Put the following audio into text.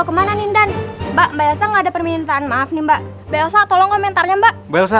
lu kemana nindan mbak parachain ada permintaan maaf mbak belsa tolong komentarnya mbak fercah